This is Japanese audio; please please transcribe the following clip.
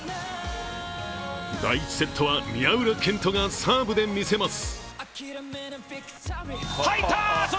第１セットは、宮浦健人がサーブで見せます。